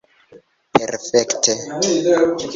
perfekte